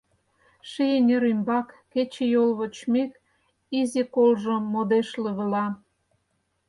Ший эҥер ӱмбак кечыйол вочмек, Изи колжо модеш лывыла.